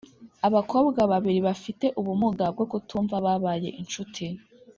abakobwa babiri bafite ubumuga bwo kutumva babaye incuti